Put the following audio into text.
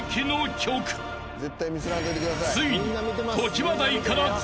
［ついに］